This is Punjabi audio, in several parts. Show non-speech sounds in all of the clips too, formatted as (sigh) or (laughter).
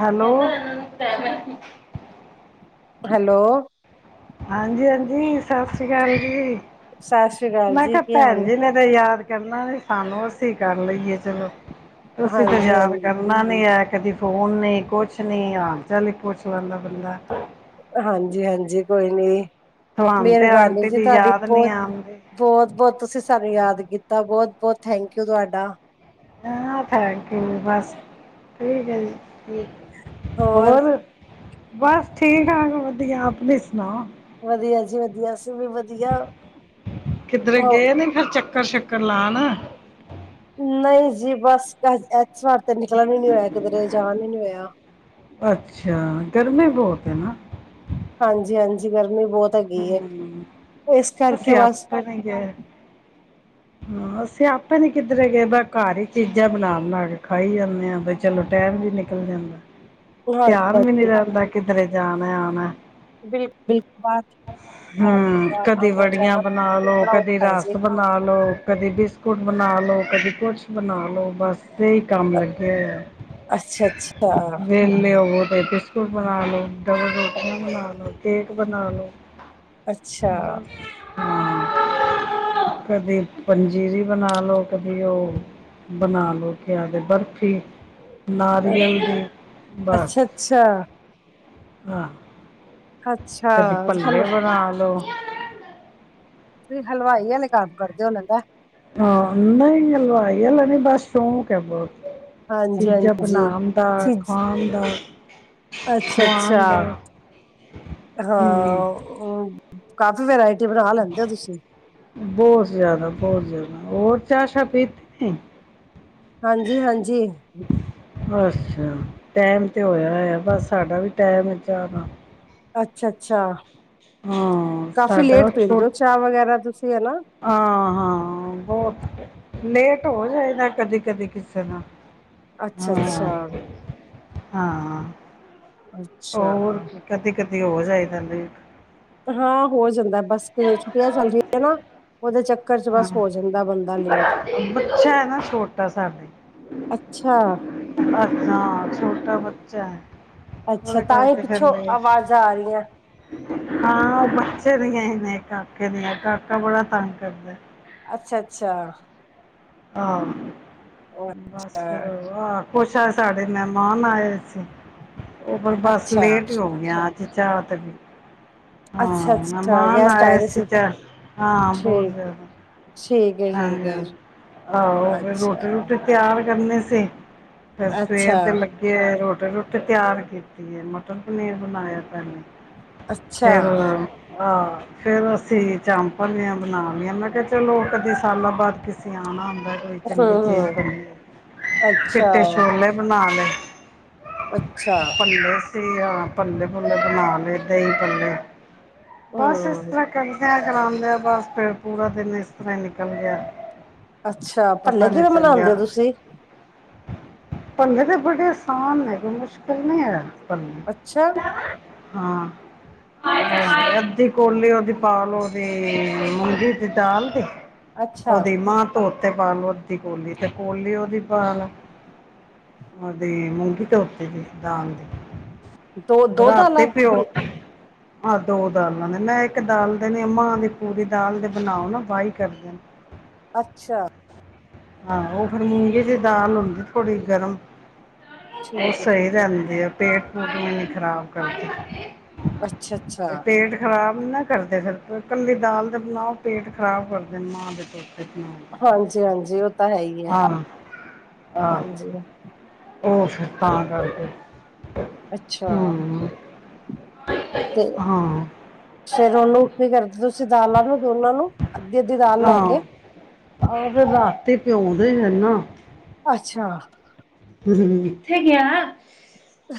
ਹੈਲੋ। ਹੈਲੋ। ਹਾਂਜੀ-ਹਾਂਜੀ ਸਤਿ ਸ਼੍ਰੀ ਅਕਾਲ ਜੀ। ਸਤਿ ਸ੍ਰੀ ਅਕਾਲ ਮੈਂ ਜੀ ਕਿਹਾ ਕੀ ਹਾਲ ਭੈਣ ਆ? ਜੀ ਨੇ ਯਾਦ ਕਰਨਾ ਨੀ ਸਾਨੂੰ ਅਸੀਂ ਕਰ ਲਈਏ ਚਲੋ ਤੁਸੀਂ ਤੇ ਹਾਂਜੀ ਯਾਦ ਹਾਂਜੀ ਕਰਨਾ ਕਰਨਾ ਨ ਹੈ ਕਦੀ ਫੋਨ ਨੀ ਕੁਛ ਨੀ, ਹਾਲ ਚਾਲ ਹੀ ਪੁੱਛ ਲੈਂਦਾ ਬੰਦਾ ਹਾਂਜੀ-ਹਾਂਜੀ ਕੋਈ ਨੀ, ਤੁਹਾਨੂੰ ਤੇ ਮਿਹਰਬਾਨੀ ਆਂਟੀ ਜੀ ਦੀ ਤੁਹਾਡੀ ਯਾਦ ਨੀ ਬੋਤ ਆਉਂਦੀ ਬਹੁਤ- ਬਹੁਤ ਤੁਸੀਂ ਸਾਨੂੰ ਯਾਦ ਕੀਤਾ। ਬਹੁਤ-ਬਹੁਤ ਥੈਂਕ ਯੂ ਤੁਹਾਡਾ ਆ ਬਸ ਠੀਕ ਹੈ ਜੀ ਠੀਕ ਹੋਰ ਬਸ ਠੀਕ ਠਾਕ ਵਧੀਆ ਆਪਣੀ ਸੁਣਾਓ? ਵਧੀਆ ਜੀ ਵਧੀਆ ਅਸੀ ਵੀ ਵਧੀ ਕਿੱਧਰ ਗਏ ਨੇ ਫਿਰ ਚੱਕਰ ਸ਼ੱਕਰ ਲਾਉਣ? ਨਹੀਂ ਜੀ ਬਸ ਘਰ ਇਸ ਵਾਰ ਤੇ ਨਿਕਲਣ ਨੀ ਹੋਇਆ ਕਿਧਰੇ ਜਾਣ ਨ ਨੀ ਹੋਇਆ। ਅੱਛਾ, ਗਰਮੀ ਬਹੁਤ ਹੈ ਨਾ ਹਾਂਜੀ-ਹਾਂਜੀ ਗਰਮੀ ਬਹੁਤ ਹੈਗੀ ਹੈ ਹੂੰ, ਇਸ ਕਰਕੇ ਅਸੀੇ ਬਸ ਅਪ ਨ ਗਏ। ਹੂੰ ਅਸੀਂ ਆਪੇ ਨੀ ਕਿੱਧਰੇ ਗਏ ਘਰ ਹੀ ਚੀਜ਼ਾਂ ਬਣਾ ਬਣਾ ਕੇ ਖਾਈ ਜਾਂਨੇ ਆ ਬੇ। ਚਲੋ ਟਾਇਮ ਵੀ ਨਿਕਲ ਜਾਂਦਾ। ਹਾਂਜੀ ਧਿਆਨ ਵੀ ਨੀ ਹਾਂਜੀ ਰੱੰਹਿਦਾ ਕਿਧਰੇ ਜਾਣਾ ਆਉਣਾ। (inaudible) ਹੂੰ ਬਾਹਰ ਕਦੀ ਆਣਾ ਵੜੀਆਂ ਜਾਣਾ ਬਣਾ ਲੋ, ਬੜਾ ਕਦੀ ਔਖਾ ਹੈ ਜੀ ਰਸ ਬਣਾ ਲੋ, ਕਦੀ ਬਿਸ ਕੁਟ ਬਣਾ ਲੋ, ਕਦੀ ਕੁਛ ਬਣਾ ਲੋ, ਬਸ ਇਹੀ ਕੰਮ ਲੱਗੇ ਹੋਏ ਆਂ। ਅੱਛਾ-ਅੱਛਾ। ਵਿਹਲੇ ਹੋਵੋ ਤੇ ਬਿਸਕੁਟ ਬਣਾ ਲੋ, ਡਬਲ ਰੋਟੀਆਂ ਬਣਾ ਲੋ, ਕੇਕ ਬਣਾ ਲੋ। ਅੱਛਾ, ਬਸ, ਹੂੰ। ਕਦੀ ਪੰਜੀਰੀ ਬਣਾ ਲੋ, ਕਦੀ ਉਹ ਬਣਾ ਲੋ ਕਿਆ ਵੇ ਬਰਫ਼ੀ। ਨਾਰੀਅਲ ਦੀ, ਬਸ ਅੱਛਾ-ਅੱਛਾ, ਹਾਂ। ਅੱਛਾ ਕਦੀ ਅੱਛਾ ਭੱਲੇ ਹਲ ਬਣਾ ਲੋ। ਤੁਸੀਂ ਹਲਵਾਈ ਵਾਲੇ ਕੰਮ ਕਰਦੇ ਓ ਲਗਦਾ ਹਾਂ, ਨਹੀਂ ਹਲਵਾਈ ਆਲਾ ਨਹੀਂ, ਬਸ ਸ਼ੌਕ ਆ ਬਹੁਤ। ਚੀਜ਼ਾਂ ਹਾਂਜੀ-ਹਾਂਜੀ, ਬਣਾਣ ਦਾ, ਖਾਣ ਦਾ। ਅੱਛਾ- ਖਵਾਉਣ ਦਾ ਅੱਛਾ, ਹਾਂ ਹਮ ਉਹ ਉਹ ਕਾਫੀ ਵਰਾਇਟੀ ਬਣਾ ਲੈਂਦੇ ਹੋ ਤੁਸੀਂ। ਬਹੁਤ ਜ਼ਿਆਦਾ- ਬਹੁਤ ਜ਼ਿਆਦਾ, ਹੋਰ ਚਾਹ ਸ਼ਾਹ ਪੀਤੀ ਨਹੀਂ। ਹਾਂਜੀ- ਹਾਂਜੀ। ਅੱਛਾ ਟਾਈਮ ਤੇ ਹੋਇਆ ਐ, ਬਸ ਸਾਡਾ ਵੀ ਟੈਮ ਐ ਚਾਹ ਦਾ। ਅੱਛਾ- ਅੱਛਾ। ਹੂੰ, ਸਾਡਾ ਉਹ ਛੋ ਹੋ ਚਾਹ ਵਗੈਰਾ ਤੁਸੀਂ ਹਨਾ ਹਾਂ -ਹਾਂ ਬਹੁਤ ਲੇਟ ਹੋ ਜਾਏ ਨਾ, ਕਦੀ -ਕਦੀ ਕਿਸੇ ਨਾਲ ਹਾਂ ਅੱਛਾ-ਅੱਛਾ ਹਾਂ (inaudible) ਹੋਰ ਅੱਛਾ ਕੀ, ਕਦੀ -ਕਦੀ ਹੋ ਜਾਈਦਾ ਲੇਟ। ਹਾਂ ਹੋ ਜਾਂਦਾ, ਬਸ ਫੇਰ ਛੁੱਟੀਆਂ ਚੱਲ ਰਹੀਆਂ ਨਾ, ਉਹਦੇ ਚੱਕਰ ਚ ਹਾਂ ਬਸ ਹੋ ਜਾਂਦਾ ਬੰਦਾ ਲੇਟ, ਬੱਚਾ ਹੈ ਨਾ ਛੋਟਾ ਅੱਛਾ। ਅੱਛਾ, ਛੋਟਾ ਬੱਚਾ ਐ। ਅੱਛਾ, ਤਾਂਹੀ ਪਿੱਛੋਂ ਆਵਾਜ਼ਾਂ ਆ ਰਹੀਆਂ। ਹਾਂ ਉਹ ਬੱਚੇ ਦੀਆਂ ਹੀ ਨੇ ਕਾਕੇ ਦੀਆਂ, ਕਾਕਾ ਬੜਾ ਤੰਗ ਕਰਦਾ ਐ। ਅੱਛਾ- ਅੱਛਾ। ਹਾਂ। ਬਸ ਫਿਰ ਅੱਛਾ, ਉਹ ਆਹ, ਕੁਛ ਅੱਜ ਸਾਡੇ ਮਹਿਮਾਨ ਆਏ ਸੀ। ਉਹ ਪਰ ਬਸ ਅੱਛਾ, ਲੇਟ ਹੀ ਹੋ ਗਿਆ, ਅੱਜ ਚਾਹ ਤੇ ਵੀ। ਹਾਂ ਅੱਛਾ, ਅੱਛਾ ਮਹਿਮਾਨ ਗੈਸਟ ਆਏ ਦੇ ਸੀ, ਤੇ ਅੱਜ ਹਾਂ ਬਹੁਤ ਠੀਕ, ਜਿਆਦਾ। ਠੀਕ ਏ। ਹਾਂਜੀ ਹਾਂ, ਆਹੋ ਫੇਰ ਰੋਟੀ- ਅੱਛਾ, ਰੁਟੀ ਤਿਆਰ ਕਰਨੀ ਸੀ, ਫੇਰ ਸਵੇਰ ਅੱਛਾ, ਦੇ ਲੱਗੇ ਹੋਏ ਰੋਟੀ-ਰੁਟੀ ਤਿਆਰ ਕੀਤੀ ਏ। ਤੇ ਪਨੀਰ ਬਣਾਇਆ ਪਹਿਲੇ, ਅੱਛਾ। ਫੇਰ ਆਹ, ਫੇਰ ਅਸੀਂ ਚਾਮਪੰਨੀਆ ਬਣਾ ਲੀਆਂ, ਮੈਂ ਕਿਹਾ ਚਲੋ ਕਦੀ ਸਾਲਾਂ ਬਾਅਦ, ਕਿਸੀ ਆਣਾ ਹੁੰਦਾ। ਕੋਈ ਹੂੰ, ਚੰਗੀ ਚੀਜ਼ ਹੂੰ, ਕਰੀਏ, ਅੱਛਾ, ਚਿੱਟੇ ਛੋਲੇ ਬਣਾ ਲੇ। ਅੱਛਾ। ਤੇ ਆਹ ਭੱਲੇ- ਭੁੱਲੇ ਬਣਾ ਲਏ ਦਹੀਂ ਭੱਲੇ, ਬਸ ਇਸ ਹੂੰ। ਤਰ੍ਹਾਂ ਕਰ ਕਰਦਿਆਂ ਕਰਾਉਂਦਿਆਂ ਬਸ ਫੇਰ ਪੂਰਾ ਦਿਨ ਇਸ ਤਰ੍ਹਾਂ ਹੀ ਨਿਕਲ ਗਿਆ। ਅੱਛਾ, ਪਤਾ ਭੱਲੇ ਕਿਵੇਂ ਬਣਾਂਦੇ ਹੋ ਤੁਸੀਂ। ਭੱਲੇ ਤੇ ਬੜੇ ਆਸਾਨ ਨੇ, ਕੋਈ ਮੁਸ਼ਕਿਲ ਨਹੀਂ ਐ। ਅੱਛਾ, ਭੱਲੇ ਹਾਂ ਅੱਛਾ, ਅੱਧੀ (inaudible) ਕੋਲੀ ਉਹਦੀ ਪਾ ਲੋ, ਉਹਦੀ ਮੂੰਗੀ ਦੀ ਦਾਲ ਦੀ। ਅੱਛਾ ਉਹਦੀ ਮਾਂਹ ਧੋਤੇ ਪਾਲੋ ਅੱਧੀ ਕੋਲੀ, ਤੇ ਕੋਲੀ ਉਹਦੀ ਪਾ ਲੋ। ਉਹਦੀ ਮੂੰਗੀ ਧੋਤੀ ਦੀ, ਦਾਲ ਦੋ ਦੀ। ਦੋ ਦਾਲਾਂ ਰਾਤੀ ਪਓ ਆਹ ਦੋ ਦਾਲਾਂ ਨੇ, ਮੈਂ ਇੱਕ ਦਾਲ ਦੇ ਨੇ ਮਾਂ ਦੀ ਪੂਰੀ ਦਾਲ ਦੇ ਬਣਾਓ ਨਾ ਬਾਈ ਕਭੀ ਅੱਛਾ। ਆਹੋ, ਉਹ ਫੇਰ ਮੂੰਗੇ ਦੀ ਦਾਲ ਹੁੰਦੀ ਥੋੜ੍ਹੀ ਗਰਮ ਉਹ ਠੀਕ ਹੈ, ਸਹੀ ਠੀਕ ਹੈ, ਰਹਿੰਦੀ ਏ, ਪੇਟ ਪੂਟ ਨਹੀਂ ਖ਼ਰਾਬ ਕਰਦੀ। ਅੱਛਾ, ਅੱਛਾ। ਤੇ ਪੇਟ ਖ਼ਰਾਬ ਨੀ ਕਰਦੇ ਫਿਰ, ਕੱਲੀ ਦਾਲ ਤੇ ਬਣਾਓ ਪੇਟ ਖ਼ਰਾਬ ਕਰਦੇ ਮਾਂ ਦੇ ਹਾਂਜੀ, ਹਾਂਜੀ ਉਹ ਤਾਂ ਹੈ ਹੀ ਹੈ, ਹਾਂ ਆਹ। ਹਾਂਜੀ, ਹੋ ਫਿਰ ਤਾਂ ਕਰਕੇ ਅੱਛਾ। ਹਮ ਤੇ ਹਾਂ ਫੇਰ ਉਹਨੂੰ ਕੀ ਕਰਦੇ ਤੁਸੀਂ ਦਾਲਾਂ ਨੂੰ ਦੋਨਾਂ ਨੂੰ ਅੱਧੀ-ਅੱਧੀ ਦਾਲ ਲੈ ਹਾਂ, ਕੇ ਉਹ ਫਿਰ ਰਾਤੀ ਪਿਉਂਦੇ ਨਾ ਅੱਛਾ। ਹੂੰ, ਕਿੱਥੇ ਗਿਆ?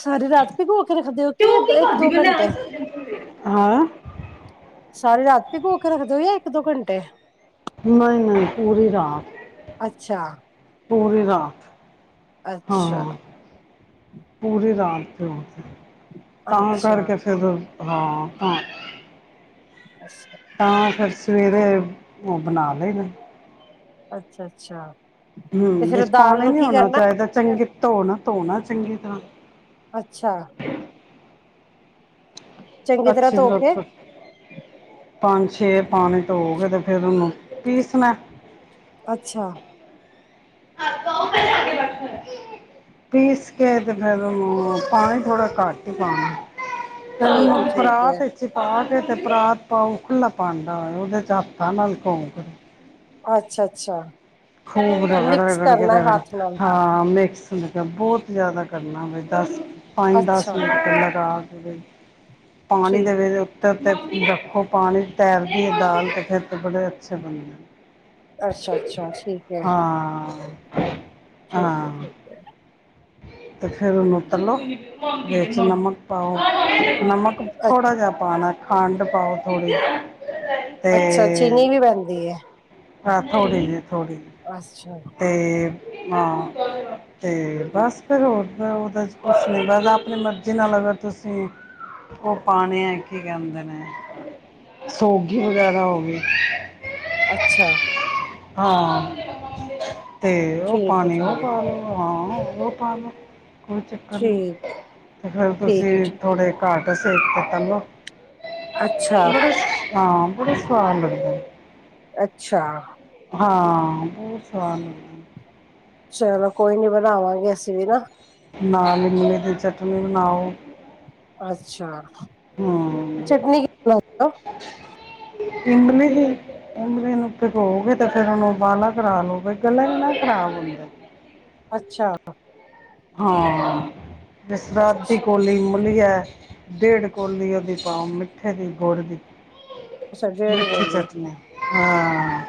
ਸਾਰੀ ਰਾਤ ਭਿਗੋ ਕੇ ਰੱਖਦੇ ਹੋ ਤੇ ਕਿ ਉਹ ਕੀ ਕਰਦੀ ਇੱਕ-ਦੋ ਪਈ ਲੈ ਘੰਟੇ। ਸਕਦੇ ਹਾਂ ਸਾਰੇ ਰਾਤ ਭਿਗੋ ਕੇ ਰੱਖਦੇ ਹੋ ਯਾਂ ਇੱਕ-ਦੋ ਘੰਟੇ ਨਈ-ਨਈ ਪੂਰੀ ਰਾਤ, ਅੱਛਾ ਪੂਰੀ ਰਾਤ। ਅੱਛਾ। ਹਾਂ ਪੂਰੀ ਰਾਤ ਭਿਉਂ ਕੇ ਤਾਂ ਅੱਛਾ ਕਰਕੇ ਫਿਰ ਹਾਂ ਤਾਂ। ਅੱਛਾ। ਤਾਂ ਫਿਰ ਸਵੇਰੇ ਉਹ ਬਣਾ ਲਏ ਨੇ। ਅੱਛਾ-ਅੱਛਾ। ਹੂੰ, ਵਿਚ ਪਾਣੀ ਨੀ ਹੋਣਾ ਚਾਹੀਦਾ, ਚੰਗੇ ਧੋਣਾ ਧੋਣਾ ਚੰਗੀ ਤਰ੍ਹਾਂ ਅੱਛਾ। ਚੰਗੀ ਤਰ੍ਹਾਂ ਅੱਛੀ ਧੋ ਕੇ ਜ਼ਰੂਰਤ ਪੰਜ-ਛੇ ਪਾਣੀ ਧੋਗੇ ਫਿਰ ਉਹਨੂੰ ਪੀਸਣਾ ਅੱਛਾ। (unintelligible) ਪੀਸ ਕੇ ਤੇ ਫਿਰ ਉਹਨੂੰ, ਪਾਣੀ ਥੋੜ੍ਹਾ ਘੱਟ ਹੀ ਠੀਕ ਪਾਣਾ। ਹੈ ਠੀਕ ਹੈ ਪਰਾਤ ਵਿੱਚ ਚ ਪਾ ਕੇ ਤੇ ਪਰਾਤ ਪਾਉ ਖੁਲਾ ਭਾਂਡਾ ਹੋਏ ਉਹਦੇ ਚ ਹੱਥਾਂ ਨਾਲ ਘੋਂਕ ਅੱਛਾ-ਅੱਛਾ। ਖੂਬ ਰਗੜ ਰਗੜ ਕੇ ਰਗੜ ਨਾਲ ਹਾਂ ਮਿਕਸ ਲ ਕਿਹਾ ਬਹੁਤ ਜ਼ਿਆਦਾ ਕਰਨਾ ਦੇ, ਦਸ-ਪੰਜ-ਦਸ ਅੱਛਾ ਮਿੰਟ ਤੋਂ ਲਗਾ ਕੇ ਪਾਣੀ ਠੀਕ ਦੇ ਵਿੱਚ ਉੱਤੇ-ਉੱਤੇ ਰੱਖੋ, ਪਾਣੀ ਤੈਰਦੀ ਏ ਦਾਲ ਫਿਰ ਤੇ ਬੜੇ ਅੱਛੇ ਬਣਦੇ ਨੇ। ਅੱਛਾ-ਅੱਛਾ, ਠੀਕ। ਹੈ ਹਾਂ। ਠੀਕ ਐ ਠੀਕ। ਹੈ ਅਤੇ ਫਿਰ ਉਹਨੂੰ ਹਮ ਤਲੋ ਵਿੱਚ ਨਮਕ ਪਾਓ, ਨਮਕ ਅ ਥੋੜ੍ਹਾ ਜਿਹਾ ਪਾਣਾ, ਖੰਡ ਪਾਓ ਥੋੜ੍ਹੀ ਤੇ ਅੱਛਾ ਚੀਨੀ ਵੀ ਪੈਂਦੀ ਹੈ ਹਾਂ, ਥੋੜੀ ਜੀ ਥੋੜੀ ਅੱਛਾ ਜੀ। ਤੇ ਹਾਂ ਤੇ ਬਸ ਫਿਰ ਹੋਰ ਉਹਦਾ ਚ ਕੁਛ ਨੀ, ਬਸ ਆਪਣੀ ਮਰਜ਼ੀ ਨਾਲ ਅਗਰ ਤੁਸੀਂ ਉਹ ਪਾਣੇ ਐ ਕੀ ਕਹਿੰਦੇ ਨੇ, ਸੋਗੀ ਵਗੈਰਾ ਹੋ ਗਈ। ਅੱਛਾ। ਹਾਂ। ਤੇ ਉਹ ਠੀਕ ਹੈ ਪਾਣੀ ਉਹ ਠੀਕ ਹੈ ਪਾ ਲਓ, ਹਾਂ ਉਹ ਪਾ ਲੋ। ਕੋਈ ਚੱਕਰ ਨਹੀਂ, ਠੀਕ ਹੈ ਤੇ ਫਿਰ ਠੀਕ ਹੈ ਠੀਕ ਤੁਸੀਂ ਥੋੜੇ ਘੱਟ ਸੇਕ ਤੇ ਤਲੋ ਅੱਛਾ, ਬੜੇ ਹਾਂ, ਬੜੇ ਸਵਾਦ ਲਗਦੇ। ਅੱਛਾ। ਹਾਂ ਬੋਤ ਸਵਾਦ ਚਲੋ ਕੋਈ ਨੀ ਬਣਾਵਾਂਗੇ ਅਸੀ ਵੀ ਨਾ। ਨਾਲ ਇਮਲੀ ਦੀ ਚਟਨੀ ਬਣਾਓ। ਅੱਛਾ। ਹੂੰ। ਚਟਨੀ ਕੀ (unintelligible) ਇਮਲੀ ਦੀ। ਇਮਲੀ ਨੂੰ ਭਿਗੋਕੇ ਤੇ ਫੇਰ ਓਨੂੰ ਬਾਲਾ ਕਰਾ ਲਉ, ਬਈ ਗਲੇ ਨੀ ਨਾ ਖਰਾਬ ਹੁੰਦੇ। ਅੱਛਾ। ਹਾਂ, ਜਿਸ ਤਰਾ ਅਦੀ ਅੱਛਾ ਕੋਲੀ ਨੂੰ ਕੋਲੀ ਹੈ ਡੇਢ ਕੋਲੀ ਓਦੀ ਪਾਓ ਮਿੱਠੇ ਦੀ ਗੁੜ ਦੀ। ਡੇਢ ਮਿੱਠੀ ਕੋਲੀ ਚਟਨੀ ਹਾਂ,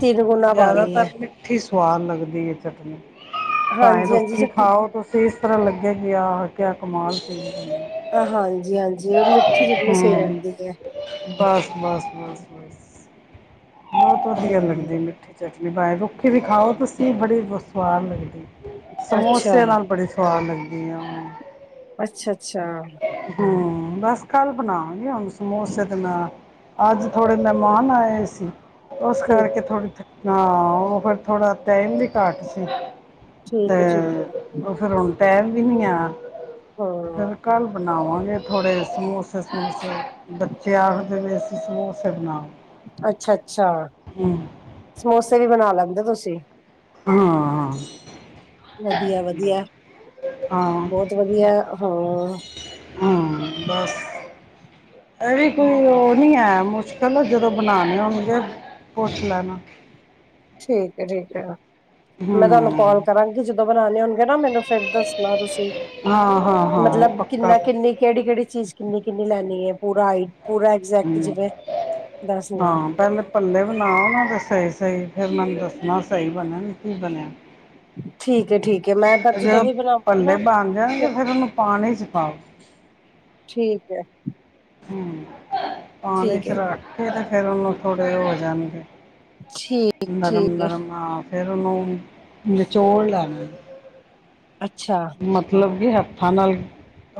ਤਿੰਨ ਗੁਣਾ ਪਾਣੀ ਐ। ਜ਼ਿਆਦਾਤਰ ਮਿੱਠੀ ਸਵਾਦ ਲੱਗਦੀ, ਏ ਚਟਨੀ ਭਾਵੇਂ ਹਾਂਜੀ, ਹਾਂਜੀ ਰੁੱਖੀ ਚਟ ਤੁਸੀ ਇਸ ਤਰ੍ਹਾਂ ਲੱਗੇਗੀ, ਆਹ ਕਿਆ ਕਮਾਲ ਚੀਜ਼ ਬਣੀ। ਆ ਹਾਂਜੀ-ਹਾਂਜੀ, ਮਿੱਠੀ ਚਟਨੀ ਸਹੀ ਹੂੰ ਰਹਿੰਦੀ ਐ। ਬਸ (unintelligible) ਬਹੁਤ ਵਧੀਆ ਹੂੰ, ਲੱਗਦੀ ਮਿੱਠੀ ਚਟਨੀ ਬਣਾਏ ਰੁੱਖੀ ਵੀ ਖਾਓ, ਤੁਸੀ ਬੜੀ ਸਵਾਦ ਲਗਦੀ। ਅੱਛਾ, ਸਮੋਸੇ ਨਾਲ ਬੜੀ ਸਵਾਦ ਲੱਗਦੀ ਆ, ਉਹਨੂੰ ਅੱਛਾ-ਅੱਛਾ, ਹੂੰ, ਬਸ ਕੱਲ ਬਣਾਵਗੇ ਹੁਣ ਸਮੋਸੇ ਤੇ ਮੈਂ ਅੱਜ ਥੋੜੇ ਮਹਿਮਾਨ ਆਏ ਏ ਸੀ। ਓਸ ਠੀਕ ਕਰਕੇ ਥੋੜ੍ਹੀ ਹਾਂ ਓ ਫੇਰ ਥੋੜਾ ਟਾਈਮ ਵੀ ਘੱਟ ਸੀ। ਤੇ ਠੀਕ ਐ, ਠੀਕ ਐ। ਓ ਫੇਰ ਹੁਣ ਟੈਮ ਵੀ ਨੀ ਹੈ, ਹਾਂ, ਫੇਰ ਕੱਲ ਬਣਾਵਾਂਗੇ, ਥੋੜੇ ਸਮੋਸੇ ਸਮੂਸੇ ਬੱਚੇ ਆਖਦੇ ਪਏ ਸੀ ਸਮੋਸੇ ਬਣਾਓ। ਅੱਛਾ-ਅੱਛਾ। ਹੂੰ। ਸਮੋਸੇ ਵੀ ਬਣਾ ਲੈਂਦੇ ਤੁਸੀ। ਹਾਂ। ਵਧੀਆ-ਵਧੀਆ, ਹਾਂ ਹਾਂ ਬੋਤ ਵਧੀਆ ਹਾਂ। ਹਾਂ ਬਸ, ਅਰੇ ਕੋਈ ਓ ਨੀ ਹੈ ਮੁਸ਼ਕ ਚਲੋ ਜਦੋਂ ਬਣਾਣੇ ਹੋਣਗੇ, ਪੁੱਛ ਲੈਣਾ। ਠੀਕ ਏ ਠੀਕ ਏ ਹੂੰ ਮੈਂ ਤੁਹਾਨੂੰ ਕਾਲ ਕਰਾਂਗੀ ਜਦੋਂ ਬਣਾਣੇ ਹੋਣਗੇ, ਨਾ ਮੈਨੂੰ ਫੇਰ ਦੱਸਣਾ ਤੁਸੀ ਹਾਂ ਹਾਂ ਹਾਂ ਮਤਲਬ ਪੱਕਾ ਕਿੰਨਾ ਪੱਕਾ ਕਿੰਨੀ ਕੇਹੜੀ-ਕੇਹੜੀ ਚੀਜ਼ ਕਿੰਨੀ-ਕਿੰਨੀ ਲੈਣੀ ਐ, ਪੂਰਾ ਆਈ ਪੂਰਾ ਐਗਜੈਕਟ ਹੂੰ, ਜਿਵੇਂ ਦੱਸਣਾ ਹਾਂ ਭੱਲੇ ਬਣਾਓ, ਨਾ ਤੇ ਸਹੀ ਸਹੀ ਫੇਰ ਮੈਨੂੰ ਦੱਸਣਾ ਸਹੀ ਬਣੇਨ ਕੀ ਬਣਿਆ। ਠੀਕ ਏ ਠੀਕ ਏ ਮੈਂ ਜਦੋਂ ਵੀ ਬਣਾਵਗੀ, ਪੱਲੇ ਨਾ ਬਣ ਫੇਰ ਜਾਣਗੇ ਫਿਰ ਉਹਨੂੰ ਪਾਣੀ 'ਚ ਪਾਓ ਠੀਕ ਐ। ਹੂੰ, ਪਾਣੀ ਚ ਹੈ ਰੱਖ ਕੇ ਤੇ ਫੇਰ ਓਹਨੂੰ ਥੋੜੇ ਓ ਹੋ ਜਾਣਗੇ। ਠੀਕ ਠੀਕ ਹੈ ਨਰਮ-ਨਰਮ ਆਂ, ਫੇਰ ਓਨੂੰ ਨਿਚੋੜ ਲੈਣਾ ਐ। ਅੱਛਾ। ਮਤਲਬ ਕਿ, ਹੱਥਾਂ ਨਾਲ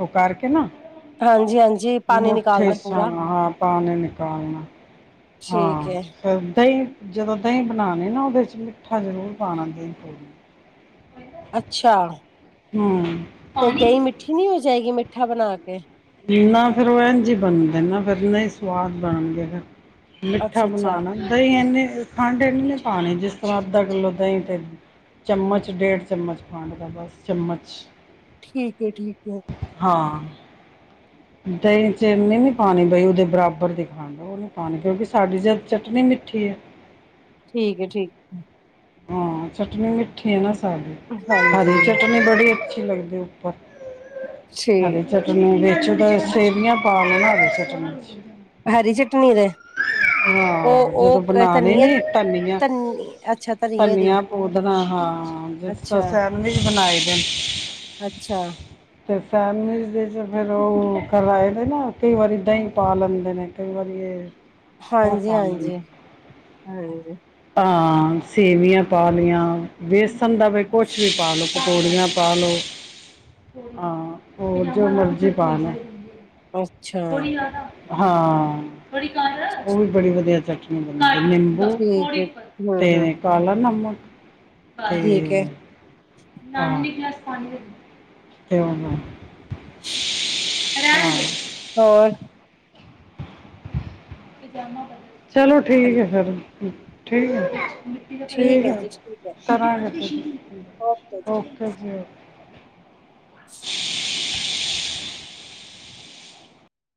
ਓ ਕਰਕੇ ਨਾ ਹਾਂਜੀ ਹਾਂਜੀ ਪਾਣੀ ਮੁਠੇ ਨਿਕਾਲਣਾ ਪੂਰਾ ਸਾਹਾਂ ਪਾਣੀਂ ਨਿਕਾਲਣਾ। ਠੀਕ ਹਾਂ ਹੈ ਫੇਰ ਦਈਂ ਜਦੋਂ ਦਈਂ ਬਣਾਣੀ ਨਾ ਓਹਦੇ ਚ ਮਿੱਠਾ ਜ਼ਰੂਰ ਪਾਣਾ ਦਈਂ ਪੂੜ (unintelligible) ਅੱਛਾ। ਹੂੰ। ਤੇ ਦਈ ਪਾਣੀ ਮਿੱਠੀ ਨਹੀਂ ਹੋ ਜਾਏਗੀ ਮਿੱਠਾ ਬਣਾ ਕੇ ਇੰਨਾ ਫਿਰ ਇੰਜ ਏ ਬਣਦੇ ਨੇ ਫਿਰ ਨਹੀਂ ਸਵਾਦ ਬਣਨਗੇ ਮਿੱਠਾ ਅੱਛਾ ਅੱਛਾ ਬਣਾਣਾ ਦਹੀਂ ਇੰਨੀੇ ਖੰਡ ਨਈ ਪਾਣੀ ਜਿਸ ਤਰ੍ਹਾਂ ਅੱਧਾ ਕਿਲੋ ਦਹੀਂ ਤੇ ਚਮਚ ਡੇਢ ਚਮਚ ਖੰਡ ਦਾ ਬਸ ਚਮਚ ਠੀਕ-ਏ -ਠੀਕ-ਏ - ਹਾਂ- ਦਹੀਂ ਚ ਇੰਨੀ ਨੀ ਪਾਣੀ ਉਦੇ ਬਰਾਬਰ ਦੀ ਖਾਣ ਉਹ ਨਹੀਂ ਪਾਉਣੀ ਕਿਉਂਕਿ ਸਾਡੀ ਚਟਨੀ ਮਿੱਠੀ ਏ ਠੀਕ ਏ-, ਠੀਕ ਏ - ਹਾਂ ਚਟਨੀ ਮਿੱਠੀ ਏ ਨਾ ਸਾਰੀ ਹਰੀ ਹਾਂਜੀ ਚਟਨੀ ਬੜੀ ਅੱਛੀ ਲੱਗਦੀ ਏ ਹਰੀ ਠੀਕ ਚਟਨੀਆ ਵਿੱਚ ਸੇਵੀਆਂ ਪਾਵੇ ਹਰੀ ਚਟਨੀ ਚ ਹਰੀ ਚਟਨੀ ਦੇ ਹਾਂ, ਉਹ ਜਦੋਂ ਉਹ ਬਣਾਣੇ ਧਨੀਏ ਨੇ ਧਨੀਆ ਧਨੀ ਅੱਛਾ। ਧਨੀਏ ਦੀ ਧਨੀਆ ਪੂਦਣਾ ਹਾਂ ਜਿਸ ਤਰ੍ਹਾਂ ਅੱਛਾ ਸੈਂਡਵਿਚ ਬਣਾਏ ਦੇ ਅੱਛਾ। ਤੇ ਸੈਂਡ ਵਿਚ ਫਿਰ ਉਹ ਕਰਵਾਏ ਦੇ ਨਾ ਕਈ ਵਾਰੀ ਦਹੀਂ ਪਾ ਲੈਂਦੇ ਨੇ ਕਈ ਵਾਰੀ ਏ ਉਹ ਹਾਂਜੀ ਪਾਲਨ ਹਾਂਜੀ ਹਾਂਜੀ ਹਾਂ ਸੇਵੀਆਂ ਪਾ ਲਈਆਂ ਵੇਸਨ ਦਾ ਵੀ ਕੁਛ ਵੀ ਪਾ ਲਓ ਪਕੋੜੀਆਂ ਪਾ ਲਓ ਹਾਂ ਹੋਰ ਜੋ ਮਰਜ਼ੀ ਪਾ ਲੋ। ਅੱਛਾ ਥੋੜੀ ਜਿਆਦਾ ਹਾਂ ਉਹ ਵੀ ਬੜੀ ਵਧੀਆ ਚੱਟ ਨਿੰਬੂ ਠੀਕ ਹੈ ਹਮ ਹਮ ਤੇ ਕਾਲਾ ਨਮਕ ਤੇ ਠੀਕ ਹੈ ਹਾਂ (unintelligible) ਤੇ ਉਨਾਂ ਨੇ ਹਾਂ ਹੋਰ ਚਲੋ ਠੀਕ ਏ ਫਿਰ ਠੀਕ ਹੈ ਠੀਕ ਹੈ ਜੀ ਠੀਕ ਹੈ ਸੈਰ ਕਰਾਂਗੇ ਓਕੇ ਜੀ